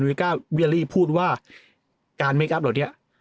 จารูกาเวียรี่พูดว่าการเมคอัพเหรอเนี่ย